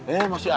eh masih ada